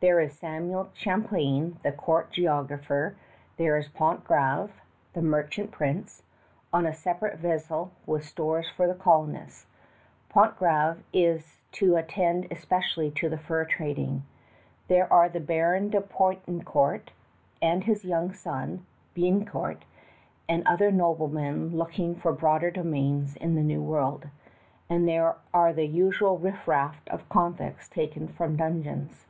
There is Samuel Champlain, the court geographer; there is Pontgravé, the merchant prince, on a separate vessel with stores for the colonists. Pontgravé is to attend especially to the fur trading. There are the Baron de Poutrincourt and his young son, Biencourt, and other noblemen looking for broader domains in the New World; and there are the usual riffraff of convicts taken from dungeons.